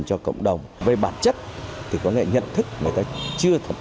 các nguyên lịch bà á trí view cho biết